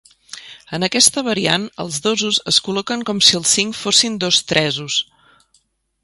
En aquesta variant els dosos es col·loquen com si el cinc fossin dos tresos.